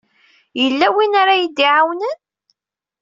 Yella win ara yi-d-iɛawnen?